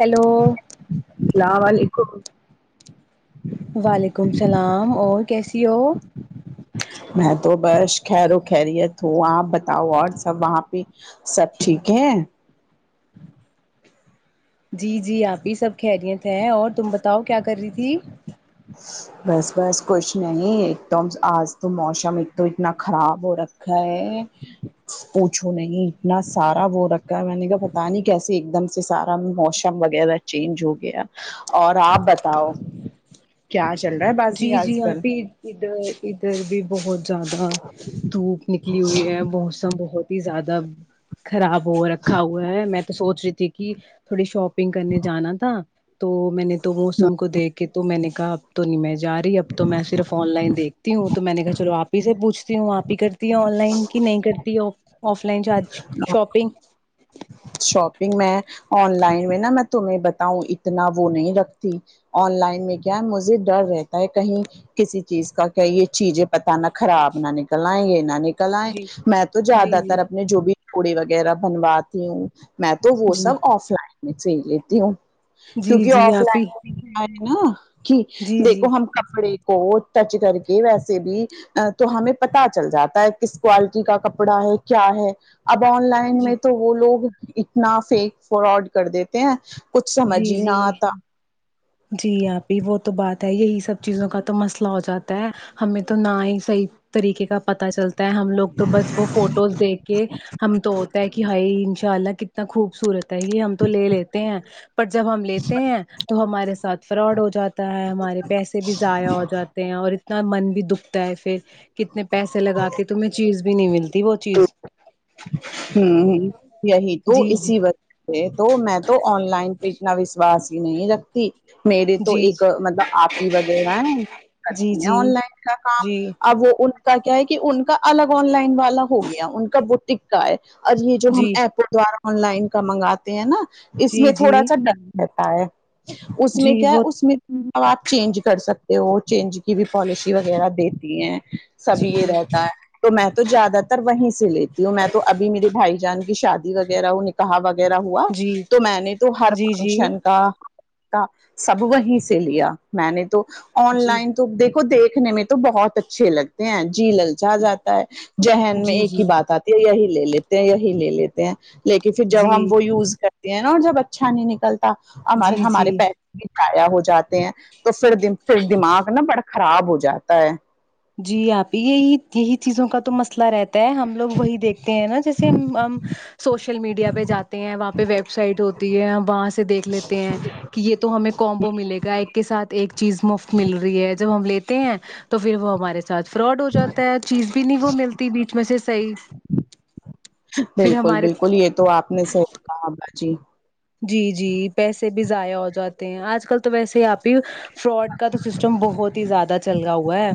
hello السلام و علیکم وعلیکم السلام اور کیسی ہو میں تو بس خیر و خیریت ہوں آپ بتاؤ اور سب وہاں پہ سب ٹھیک ہے جی جی آپی سب خیریت ہیں اور تم بتاؤ کیا کر رہی تھی بس بس کچھ نہیں ایک تو آج تو موشم ایک تو اتنا خراب ہو رکھا ہے پوچھو نہیں اتنا سارا وہ رکھا ہے میں نے کہ پتا نہیں کیسے ایک دم سے سارا موسم وغیرہ چینج ہو گیا اور آپ بتاؤ کیا چل رہا ہے با جی جی آپ ہی ادھر ادھر بھی بہت زیادہ دھوپ نکلی ہوئی ہے موسم بہت ہی زیادہ خراب ہو رکھا ہوا ہے میں تو سوچ رہی تھی کہ تھوڑی شاپنگ کرنے جانا تھا تو میں نے تو موسم کو دیکھ کے تو میں نے کہا اب تو نہیں مے جا رہی ہے اب تو میں صرف آن لائن دیکھتی ہوں تو میں نے کہا چلو آپ ہی سے پوھتی ہوں آپ ہی کا آن لائن کی نہیں کرتی آف لائن جا شاپنگ شاپنگ میں آن لائن میں نا میں تمہیں بتاؤں اتنا وہ نہیں رکھتی آن لائن میں کیا ہے مجھے ڈر رہتا ہے کہیں کسی چیز کا کیا یہ چیزیں پتہ نہ خراب نہ نکلنا ہے یہ نہ نکل جی میں تو جی زیادہ تر جی اپنے جو بھی پڑی وغیرہ بنواتی ہوں میں تو وہ جی سب آف لائن میں کر لیتی ہوں جی کیونکہ جی آف آپ ہی لائن میں اری نا کی جی دیکھو جی ہم کپڑے کو ٹچ کر کے ویسے بھی تو ہمیں پتا چل جاتا ہے کس کوالٹی کا کپڑا ہے کیا ہے اب آن لائن جی میں تو وہ لوگ اتنا فیک فراڈ کر دیتے ہیں کچھ سمجھ جی ہی نہ جی آتا جی اپپی وہ تو بات ہے یہی سب چیزوں کا تو مسئلہ ہو جاتا ہے ہمیں تو نہ ہی صحیح طریقے کا پتا چلتا ہے ہم لوگ تو بس وہ فوٹوز دیکھ کہ ہم تو ہوتا ہے کہ ہائی ان شاء اللہ کتنا خوبصورت ہے یہ ہم تو لے لیتے ہیں پر جب ہم لیتے ہیں تو ہمارے ساتھ فراڈ ہو جاتا ہے ہمارے پیسے بھی ضائع ہو جاتے ہیں اور اتنا من بھی دکھتا ہے پھر کتنے پیسے لگا کے تمہیں چیز بھی نہیں ملتی وہ چیز ہمم یہی تو جی جی اسی وج تو میں تو آن لائن پہ اتنا وشواس ہی نہیں رکھتی میرے تو جی ایک مطلب اپپی وغیرہ ہے جی جی کرتے ہیں آن لائن کا کام جی اب وہ ان کا کیا ہے کہ ان کا الگ آن لائن والا ہو گیا ان کا بٹک کا ہے اور یہ جو ہم جی اپپ کے دوارا آن لائن کا منگاتے ہیں نا اس جی میں تھوڑا جی سا ڈر بتا ہے اس میں جی کیا ہے وہ اس میں ا آپ چینج کر سکتے ہو چینج کی بھی پالیسی وغیرہ دیتی ہیں سب جی یہ رہتا ہے تو میں تو زیادہ تر وہیں سے لیتی ہوں میں تو تو ابھی میرے بھائی جان کی شادی وغیرہ ہو نک نکاح وغیرہ ہوا جی تو میں نے تو ہر جی جی فنکشن جی کا سب وہیں سے لیا میں نے تو آن جی لائن تو دیکھو دیکھنے میں تو بہت اچھے لگتے ہیں جی للچا جاتا ہے ذہین میں جی ایک ہی بات آتی ہے یہی لے لیتے ہیں یہی لے لیتے ہیں لیکن پھر جب ہم جی وہ یوز کر تے ہے جب اچھا نہیں نکلتا ہمارے جی ہمارے جی پیسے بھی زیا ہو جاتے ہیں تو پھر پھر دماغ نا بڑا خراب ہو جاتا ہے جی اپی یہی یہی چیزوں کا تو مسئلہ رہتا ہے ہم لوگ وہی دیکھتے ہیں نا جیسے سوشل میڈیا پہ جاتے ہیں وہاں پہ ویب سائٹ ہوتی ہے ہم وہاں سے دیکھ لیتے ہیں کہ یہ تو ہمیں کومبو ملے گا ایک کے ساتھ ایک چیز مفت مل رہی ہے جب ہم لیتے ہیں تو پھر وہ ہمارے ساتھ فراڈ ہو جاتا ہے چیز بھی نہیں وہ ملتی بیچ میں سے صحیح پھر بالکل ہمارے بالکل یہ تو آپ نے صحیح کہا باجی جی جی پیسے بھی ضائع ہو جاتے ہیں آج کل تو ویسے ہی آپی فراڈ کا تو سسٹم بہت ہی زیادہ چلا ہوا ہے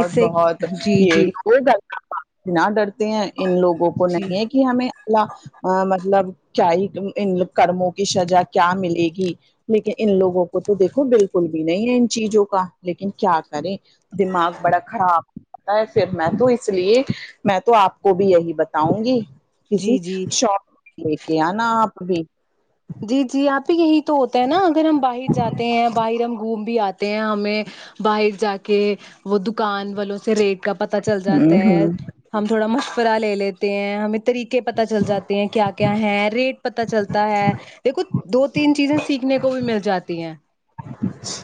اس سے بہت جی جی [unintelligible] نا ڈرتے ہیں ان لوگوں کو جی نہیں ہے کہ ہمیں اللہ اں مطلب کیا ہی ان کرموں کی سزا کیا ملے گی لیکن ان لوگوں وہ تو دیکھو بالکل بھی نہیں ہے ان چیزوں کا لیکن کیا کریں دماغ بڑا خراب میں تو اس لیے میں تو آپ کو بھی یہی بتاؤں گی کسی جی جی شاپ لے کے آنا آپ بھی جی جی آپی یہی تو ہوتا ہے نا اگر ہم باہر جاتے ہیں باہر ہم گھوم بھی آتے ہیں ہمیں باہر جا کے وہ دکان والوں سے ریٹ کا پتہ چل جاتا ہوں ہے ہوں ہم تھوڑا مشورہ لے لیتے ہیں ہمیں طریقے پتہ چل جاتے ہیں کیا کیا ہے ریٹ پتا چلتا ہے دیکھو دو تین چیزیں سیکھ نے کو بھی مل جاتی ہیں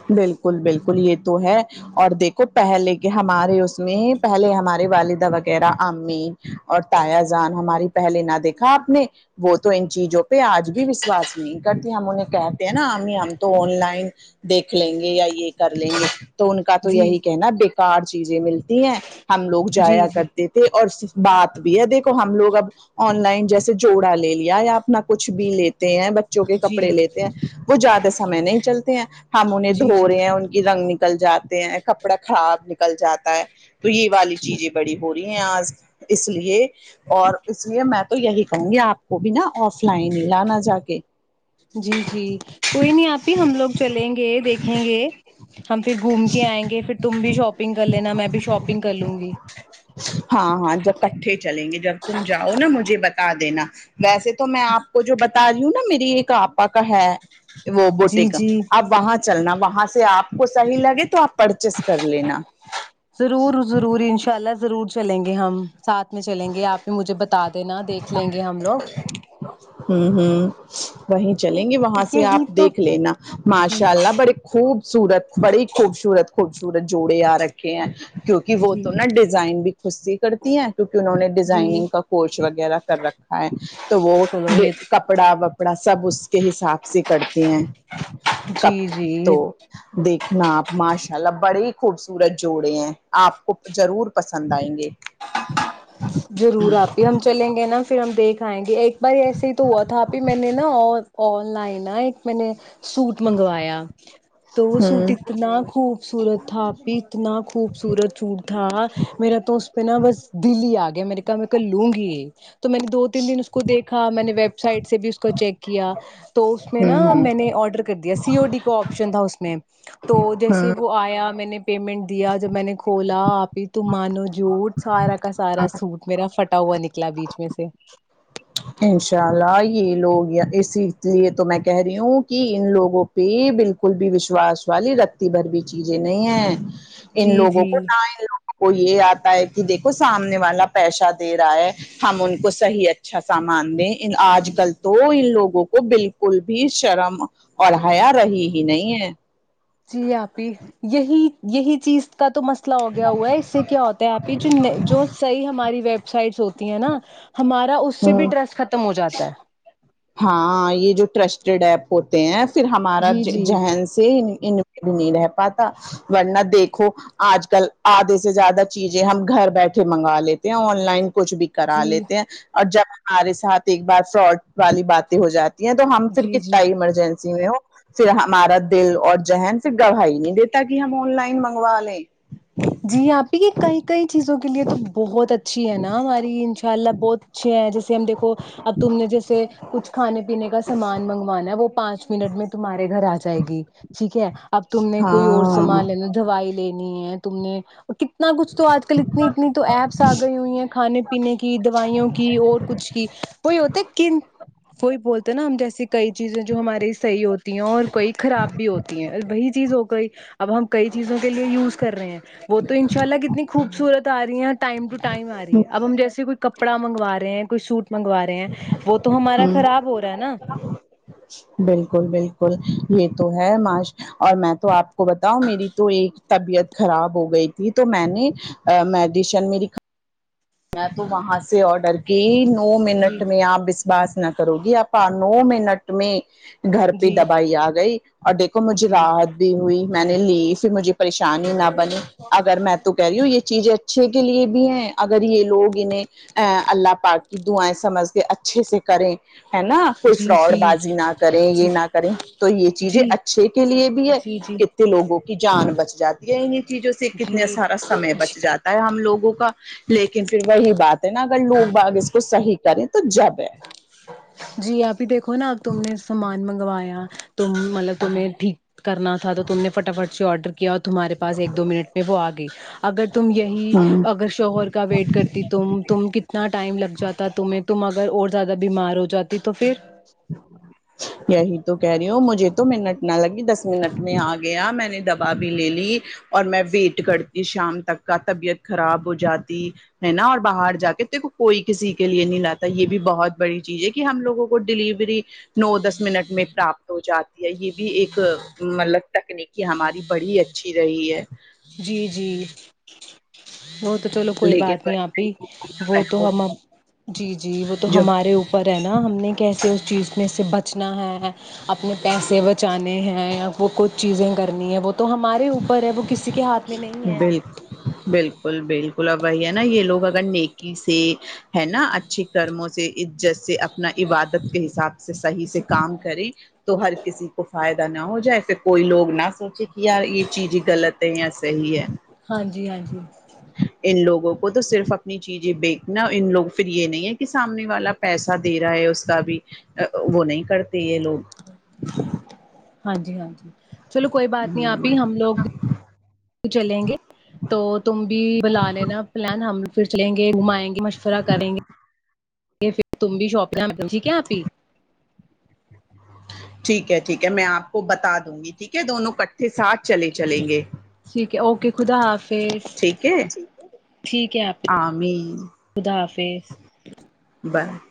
بالکل بالکل یہ تو ہے اور دیکھو پہلے کے ہمارے اس میں پہلے ہمارے والدہ وغیرہ امی اور تایا جان ہماری پہلے نہ دیکھا آپ نے وہ تو ان چیزوں پہ آج بھی وشواس نہیں کرتی ہم انہیں کہتے ہیں نا ہمیں ہم تو آن لائن دیکھ لیں گے یا یہ کر لیں گے تو ان کا تو جی یہی کہنا بیکار چیزیں ملتی ہیں ہم لوگ جایا جی جی کرتے تھے اور سہ بات بھی ہے دیکھو ہم لوگ اب آن لائن جیسے جوڑا لے لیا یا اپنا کچھ بھی لیتے ہیں بچوں کے جی کپڑے لیتے ہیں وہ زیادہ سمے نہیں چلتے ہیں ہم انہیں جی دھو جی رہے ہیں ان کے رنگ نکل جاتے ہیں کپڑا خراب نکل جاتا ہے تو یہ والی چیزیں بڑی ہوتی ہیں آج اس لیے اور اس لیے میں تو یہی کہوں گی آپ کو بھی نا آف لائن ہی لانا جا کے جی جی کوئی نہیں آپی ہم لوگ چلیں گے دیکھیں گے ہم پھر گھوم کے آئیں گے پھر تم بھی شاپنگ کر لینا میں بھی شاپنگ کر لوں گی ہاں ہاں جب اکھٹے چلیں گے جب تم جاؤ نا مجھے بتا دینا ویسے تو میں آپ کو جو بتا رہی ہوں نا میری ایک آپا کا ہے وہ بوٹے جی کا جی آپ وہاں چلنا وہاں سے آپ کو صحیح لگے تو آپ پرچیز کر لینا ضرور ضرور انشاء اللہ ضرور چلیں گے ہم ساتھ میں چلیں گے آپ ہی مجھے بتا دینا دیکھ لیں گے ہم لوگ ہوں ہوں وہیں چلیں گے وہاں سے آپ یہی تو دیکھ لینا جی ماشاء اللہ بڑے خوبصورت بڑی خوبصورت خوبصورت جوڑے آ رکھے ہیں کیوںکہ وہ جی تو نا ڈیزائن بھی خود سے کرتی ہیں کیونکہ انہوں نے جی ڈیزائنگ کا کورس وغیرہ کر رکھا ہے تو وہ چلو بہ یہ کپڑا وپڑا سب اس کے حساب سے کرتی ہیں جی کپ جی تو دیکھنا آپ ماشاء اللہ بڑے ہی خوبصورت جوڑے ہیں آپ کو ضرور پسند آئیں گے ضرور آپی ہم چلیں گے نا پھر ہم دیکھ آئیں گے ایک بار ایسے ہی تو ہوا تھا اپی میں نے نا آن آن لائن نہ ایک میں نے سوٹ منگوایا تو وہ ہ سوٹ اتنا خوب خوبصورت تھا آپی اتنا خوبصورت سوٹ تھا میرا تو اس پہ نا بس دل ہ آ گیا میرے کہ میں کل لوں گی تو میں نے دو تین دن اس کو دیکھا میں نے ویب سائٹ سے بھی اس کو چیک کیا تو اس میں ہ نا ہ میں نے آڈر کر دیا سی او ڈی کو آپشن تھا اس میں تو ہ جیسے وہ آیا میں نے پیمنٹ دیا جب میں نے کھولا آپی تو مانو جھوٹ سارا کا سارا سوٹ میرا فھٹا ہوا نکلا بیچ میں سے انشاء اللہ یہ لوگ اسی لیے تو میں کہہ رہی ہوں کی ان لوگوں پہ بالکل بھی وشواس والی رتتی بھر بھی چیزیں نہیں ہے ان جی لوگوں کو جی نہ ان لوگ کو یہ آتا ہے کہ دیکھو سامنے والا پیسہ دے رہا ہے ہم ان کو صحیح اچھا سامان دیں آج کل تو ان لوگوں کو بالکل بھی شرم اور حیا رہی ہی نہیں ہے جی اپپی یہی یہی چیز کا تو مسئلہ ہو گیا ہوا ہے اس سے کیا ہوتا ہے اپپی جو جو صحیح ہماری سایڈس ہوتی ہیں نا ہمارا اس سے بھی ہوں ٹرسٹ ختم ہو جاتا ہے ہاں یہ جو ٹرسٹیڈ ایپ ہوتے ہیں پھر ہمارا جی جی ذہن سے ان بھی نہیں رہ پاتا ورنہ دیکھو آج کل آدھے سے زیادہ چیزیں ہم گھر بیٹھے منگا لیتے ہیں آن لائن کچھ بھی کرا جی لیتے ہیں اور جب ہمارے ساتھ ایک بار فراڈ والی باتیں ہو جاتی یہ تو ہم پھر جی جی کتتا ہی ایمرجنسی میں ہو پھر ہمارا دل اور ذہن سے گواہی نہیں دیتا کہ ہم آن لائن منگوا لیں جی آپی یہ کئی کئی چیزوں کے لیے تو بہت اچھی ہے نا ہماری انشاء اللہ بہت اچھے ہیں جیسے ہم دیکھو اب تم نے جیسے کچھ کھانے پینے کا سامان منگوانا ہے وہ پانچ منٹ میں تمہارے گھر آ جائے گی ٹھیک ہے اب تم نے کوئی اور ہاں سامان لینا دوائی لینی ہے تم نے کتنا کچھ تو آج کل اتنی اتنی تو ایپس آ گئی ہوئی ہیں کھانے پینے کی دوائیوں کی اور کچھ کی وہی ہوتا کن وہی بولتے ہیں نا ہم جیسے کئی چیزیں جو ہماراری صحیح ہوتی ہیں اور کئی خراب بھی ہوتی ہیں وہی چیز ہو گئی اب ہم کئی چیزوں کے لیے یوز کر رہے ہیں وہ تو انشاء اللہ کتنی خوبصورت آ رہی ہیں ٹائم ٹو ٹائم آ رہی ہے اب ہم جیسے کوئی کپڑا منگو رہے ہیں کوئی سوٹ مگوا ہیں وہ تو ہمارا ہ خراب ہو رہا ہے نا بالکل بالکل یہ تو ہے معاش اور میں تو آپ بتاؤ میری تو ایک طبیعت خراب ہو گئی تھی تو میں نے مڈیشن میں تو وہاں سے آرڈر کی نو جی منٹ میں ا باس نہ کرو گی آپا نو منٹ میں گھر پہ جی دبائی آ گئی اور دیکھو مجھے جی راحت بھی ہوئی میں نے لی پھر مجھے پریشانی نہ بنی اگر میں تو کہہ رہی ہوں یہ چیزیں اچھے کے لیے بھی ہے اگر یہ لوگ انہیں ا اللہ پاک کی دعائیں سمجھ کے اچھے سے کریں ہیں نا کوئی جی فراڈ جی بازی نہ کرے جی یہ نہ کریں تو یہ چیزیں جی اچھے کے لیے بھی ہے جی جی کتنے لوگوں کی جان بچ جاتی ہے انیں چیزوں سے کتنا جی سارا سمے بچ جا آ ہم لوگوں کا لیکن پھر وہی بات ہے نا اگر لوگ بات اس کو صحیح کریں تو جب ہے جی اپی دیکھو نا اب تم نے سامان منگوایا تم ملے تمہیں ٹھیک کرنا تھا تو تم نے فٹافٹ سے آڈر کیا اور تمہارے پاس ایک دو منٹ میں وہ آ گئی اگر تم یہی ہوں شوہر کا ویٹ کرتی تم تم کتنا ٹائم لگ جاتا تمہیں تو مگر اور زیادہ بیمار ہو جاتی تو پھر یہی تو کہہ رہی ہو مجھے تو منٹ نہ لگی دس منٹ میں آ گیا میں نے دوا بھی لے لی اور میں ویٹ کرتی شام تک کا طبیعت خراب ہو جاتی ہے نا اور باہر جا کے تے کو کوئی کسی کے لیے نہیں لاتا یہ بھی بہت بڑی چیز ہے کہ ہم لوگوں کو وہ ڈیلیوری نو دس منٹ میں پراپت ہو جاتی ہے یہ بھی ایک مطلب تکنیکی ہماری بڑی اچھی رہی ہے جی جی وہ تو چلو کوئی بات لیکن نہیں آپی وہ تو ہم ہم جی جی وہ تو جو ہمارے اوپر ہے نا ہم نے کیسے اس چیز میں سے بچنا ہے اپنے پیسے بچانے ہیں یا وہ کچھ چیزیں کرنی ہے وہ تو ہمارے اوپر ہے وہ کسی کے ہاتھ میں نہیں ہے بل بالکل بالکل اب وہی ہے نا یہ لوگ اگر نیکی سے ہے نا اچھے کرموں سے عزت سے نہ عبادت کے حساب سے صحیح سے کام کریں تو ہر کسی کو فائدہ نہ ہو جائے کوئی لوگ نہ سوچے کہ یار چیز ہی غلط ہے یا صحیح ہے ہاں جی ہاں جی ان لوگوں کو تو صرف اپنی چیزیں بیکنا ان لوگ پھر یہ نہیں ہے کہ سامنے والا پیسہ دے رہا ہے اس کا بھی وہ نہیں کرتے یہ لوگ ہاں جی ہاں جی چلو کوئی بات نہیں آپی ہم لوگ چلیں گے تو تم بھی بلا لینا پلان ہم پھر چلیں گے گھمائیں گے مشورہ کریں گے پھر تم بھی شاپ ٹھیک ہے آپی ٹھیک ہے ٹھیک ہے میں آپ کو بتا دوں گی ٹھیک ہے دونوں اکٹھے ساتھ چلے چلیں گے ٹھیک ہے اوکے خدا حافظ ٹھیک ہے ٹھیک ہے آپی آمین خدا حافظ [unintelligible]